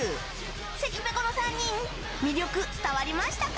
関ぺこの３人魅力、伝わりましたか？